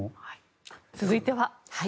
続いては。